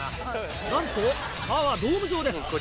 なんと皮はドーム状です。